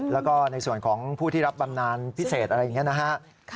แล้วก็ในส่วนของผู้ที่รับบำนานพิเศษอะไรอย่างนี้นะฮะ